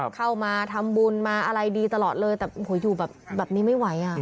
เข้ามาทำบุญมาอะไรดีตลอดเลยแต่อยู่แบบแบบนี้ไม่ไหวอ่ะ